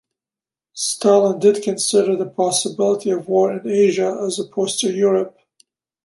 Stalin did consider the possibility of war in Asia, as opposed to Europe.